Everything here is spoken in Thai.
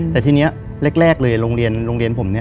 แต่ทีนี้แรกเลยโรงเรียนผม